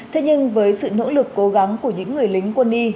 thế nhưng với sự nỗ lực cố gắng của những người lính quân y